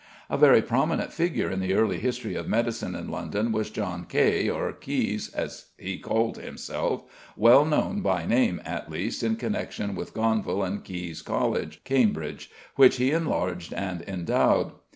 A very prominent figure in the early history of medicine in London is =John Kaye=, or =Caius=, as he called himself, well known, by name at least, in connexion with Gonville and Caius College, Cambridge, which he enlarged and endowed.